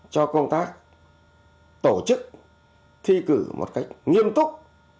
cho công tác tổ chức thi cử một cách nghiêm túc